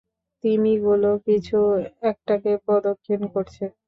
তিমিগুলো কিছু একটাকে প্রদক্ষিণ করছে!